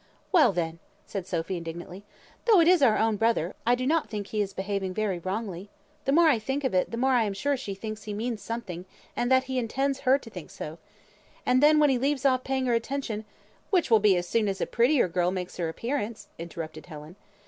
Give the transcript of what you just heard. "Well, then!" said Sophy, indignantly, "though it is our own brother, I do think he is behaving very wrongly. The more I think of it the more sure I am that she thinks he means something, and that he intends her to think so. And then, when he leaves off paying her attention " "Which will be as soon as a prettier girl makes her appearance," interrupted Helen.